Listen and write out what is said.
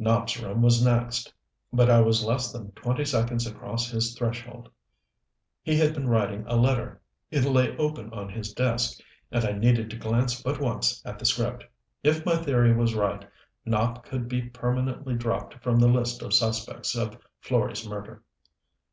Nopp's room was next, but I was less than twenty seconds across his threshold. He had been writing a letter, it lay open on his desk, and I needed to glance but once at the script. If my theory was right Nopp could be permanently dropped from the list of suspects of Florey's murder.